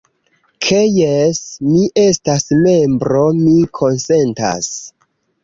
Ke jes, mi estas membro, mi konsentas.